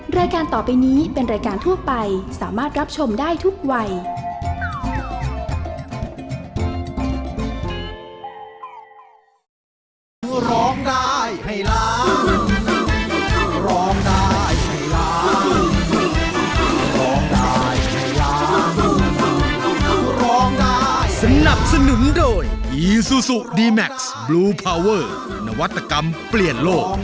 รายการต่อไปนี้เป็นรายการทั่วไปสามารถรับชมได้ทุกวัย